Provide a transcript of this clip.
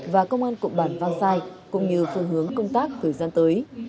và công an cộng bản vang sai cũng như phương hướng công tác thời gian tới